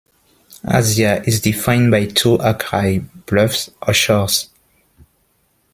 Asia is defined by two akrai, "bluffs" or "shores.